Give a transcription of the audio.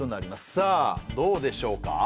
さあどうでしょうか？